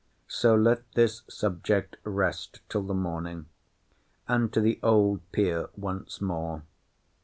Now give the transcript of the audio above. So let this subject rest till the morning. And to the old peer once more.